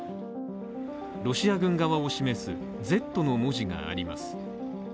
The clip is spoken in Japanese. ロシア軍側を示す「Ｚ」の文字があります。